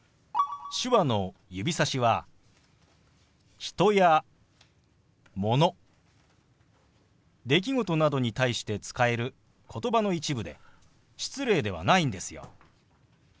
手話の指さしは人やもの出来事などに対して使える言葉の一部で失礼ではないんですよ。